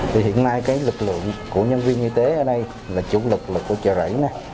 thì hiện nay cái lực lượng của nhân viên y tế ở đây là chủ lực là của chợ rẫy